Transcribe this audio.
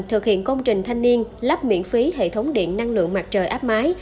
thực hiện công trình thanh niên lắp miễn phí hệ thống điện năng lượng mặt trời áp mái